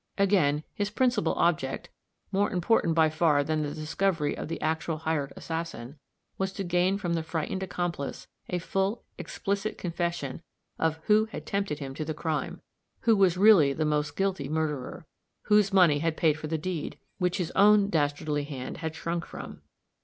Again, his principal object, more important by far than the discovery of the actual hired assassin, was to gain from the frightened accomplice a full, explicit confession of who had tempted him to the crime who was really the most guilty murderer whose money had paid for the deed which his own dastardly hand had shrunk from.